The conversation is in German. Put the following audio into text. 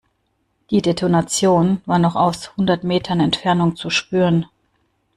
Die Detonation war noch aus hundert Metern Entfernung zu spüren.